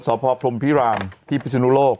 ตัวสอบพ่อพรมพิรามที่ปริศนุโลก